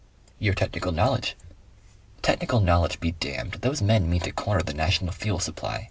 "Your technical knowledge " "Technical knowledge be damned! Those men mean to corner the national fuel supply.